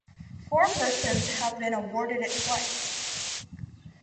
Four persons have been awarded it twice.